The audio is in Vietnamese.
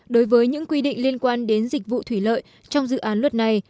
đối với những quy định liên quan đến dịch vụ thủy lợi trong dự án luật này